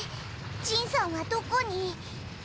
ジンさんはどこに。